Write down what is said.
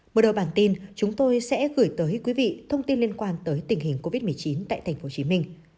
mở đầu bản tin chúng tôi sẽ gửi tới quý vị thông tin liên quan tới tình hình covid một mươi chín tại tp hcm